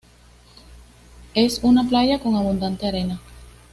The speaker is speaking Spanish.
Es una playa con abundante arena.